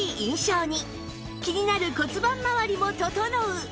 気になる骨盤まわりも整う！